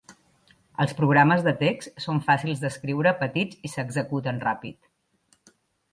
Els programes de text són fàcils d'escriure, petits i s'executen ràpid.